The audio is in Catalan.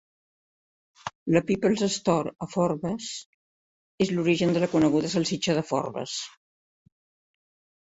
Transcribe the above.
La People's Store a Forbes és l'origen de la coneguda Salsitxa de Forbes.